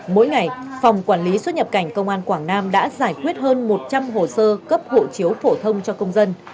mỗi ngày phòng quản lý xuất nhập cảnh công an quảng nam đã giải quyết hơn một trăm linh hồ sơ cấp hộ chiếu phổ thông cho công dân